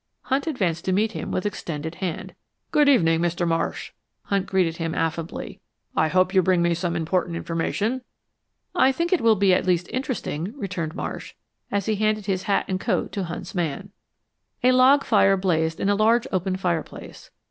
Hunt advanced to meet him with extended hand. "Good evening, Mr. Marsh," Hunt greeted him, affably. "I hope you bring me some important information." "I think it will at least be interesting," returned Marsh, as he handed his hat and coat to Hunt's man. A log fire blazed in a large open fireplace.